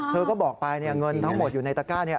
เธอก็บอกไปเงินทั้งหมดอยู่ในตะก้านี้